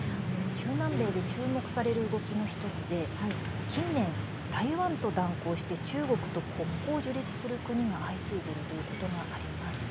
中南米で注目される動きの１つで近年、台湾と断交して中国と国交を樹立する国が相次いでるということがあります。